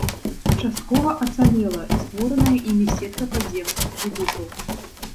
Часткова ацалела і створаная імі сетка падземных акведукаў.